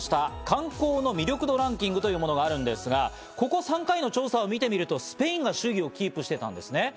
観光の魅力度ランキングというものがあるんですが、ここ３回の調査を見てみるとスペインが首位をキープしていたんですね。